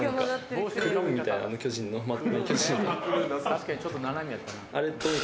確かにちょっと斜めやったな。